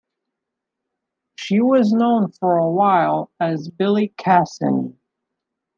She was known for a while as "Billie Cassin".